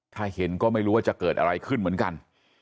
ถ้าเห็นก็ไม่รู้ว่าจะเกิดอะไรขึ้นเหมือนกัน